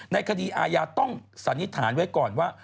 ในคดีอาญาต้องสันนิษฐานไว้ก่อนว่า